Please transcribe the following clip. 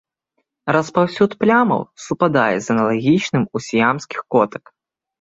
Распаўсюд плямаў супадае з аналагічным у сіямскіх котак.